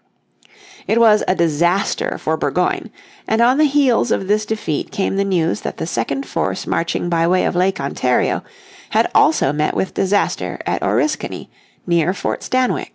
It was a disaster for Burgoyne, and on the heels of this defeat came the news that the second force marching by way of Lake Ontario had also met with disaster at Oriskany near Fort Stanwix.